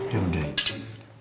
ya udah pakai tangan ya